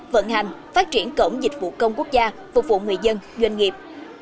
vận hành phát triển cổng dịch vụ công quốc gia phục vụ người dân doanh nghiệp